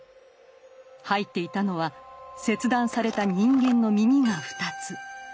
入っていたのは切断された人間の耳が２つ。